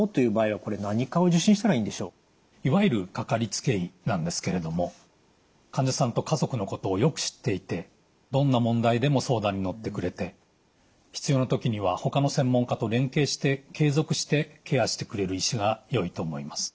いわゆるかかりつけ医なんですけれども患者さんと家族のことをよく知っていてどんな問題でも相談に乗ってくれて必要な時にはほかの専門科と連携して継続してケアしてくれる医師がよいと思います。